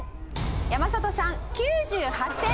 山里さん９８点。